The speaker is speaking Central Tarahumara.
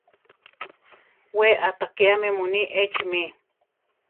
We aʼtakéame muní echi mí.